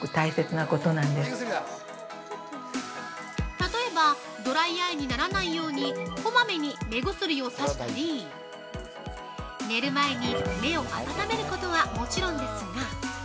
◆例えば、ドライアイにならないようにこまめに目薬をさしたり寝る前に目を温めることはもちろんですが◆